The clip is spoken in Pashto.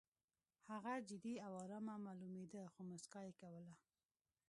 هغه جدي او ارامه معلومېده خو موسکا یې کوله